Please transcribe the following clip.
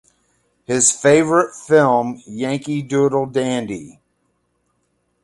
His favorite film, "Yankee Doodle Dandy".